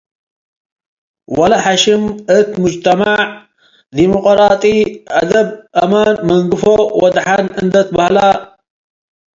ወለሐሽም፡ እት ሙጅተመዕ ዲሙቅራጢ አደብ፡ አምን፡ መንገፎ ወደሐን እንዴ ትበሀለ